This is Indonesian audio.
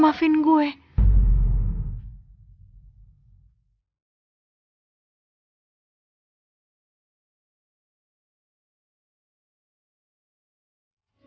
saya akan berdoa sama dia